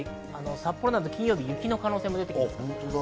札幌などでは金曜日、雪の可能性もあります。